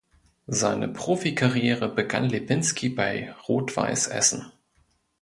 Seine Profikarriere begann Lipinski bei Rot-Weiss Essen.